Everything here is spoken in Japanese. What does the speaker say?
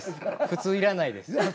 普通作らないです。